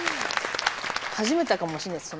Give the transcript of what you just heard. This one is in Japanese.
初めてかもしれないです。